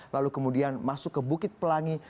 lalu kemudian masuk ke bukit pelangi